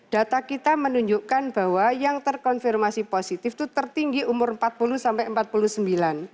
data kita menunjukkan bahwa yang terkonfirmasi positif itu tertinggi umur empat puluh sampai empat puluh sembilan